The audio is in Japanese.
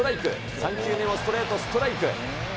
３球目もストレート、ストライク。